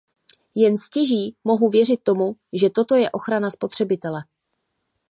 Jen stěží mohu věřit tomu, že toto je ochrana spotřebitele.